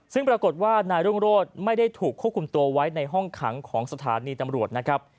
ซึ่งปรากฏว่านายรุ่งโรธไม่ได้ถูกควบคุมตัวไว้ในห้องขังของสถานีตำรวจนะครับ